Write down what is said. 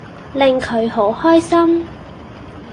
令佢好開心